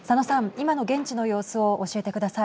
今の現地の様子を教えてください。